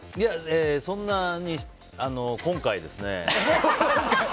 そんなに今回ですね。